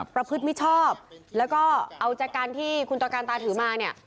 ประพฤติมิชชอบแล้วก็เอาจากการที่คุณตะการตาถือมาเนี่ย